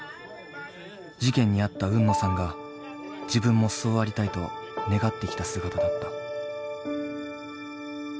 事件に遭った海野さんが自分もそうありたいと願ってきた姿だった。